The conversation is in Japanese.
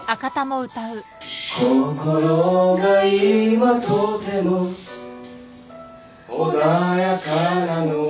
「心が今とても穏やかなのは」